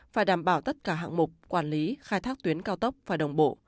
phải đảm bảo tất cả hạng mục quản lý khai thác tuyến cao tốc phải đồng bộ